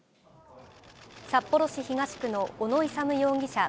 札幌市東区の小野勇容疑者